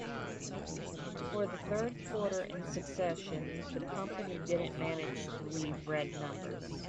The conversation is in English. For the third quarter in succession, the company didn't manage to leave red numbers.